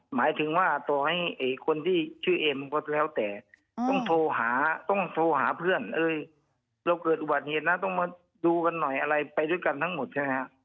หมายถึงว่าต่อให้คนที่ชื่อเอ็มก็แล้วแต่ต้องโทรหาต้องโทรหาเพื่อนเราเกิดอุบัติเหตุนะต้องมาดูกันหน่อยอะไรไปด้วยกันทั้งหมดใช่ไหมฮะ